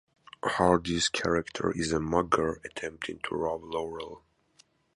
Hardy's character is a mugger attempting to rob Laurel.